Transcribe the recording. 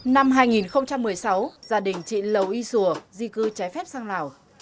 năm hai nghìn một mươi sáu gia đình chị lầu y sùa di cư trái phép sang lào